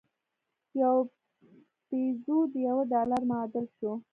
یو پیزو د یوه ډالر معادل شو.